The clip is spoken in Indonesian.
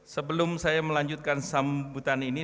sebelum saya melanjutkan sambutan ini